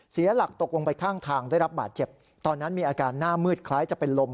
เสียหลักตกลงไปข้างทางได้รับบาดเจ็บตอนนั้นมีอาการหน้ามืดคล้ายจะเป็นลม